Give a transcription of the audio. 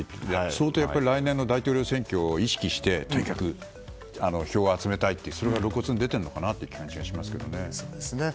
相当来年の大統領選挙を意識して、とにかく票を集めたいというそれが露骨に出ている感じがしますけどね。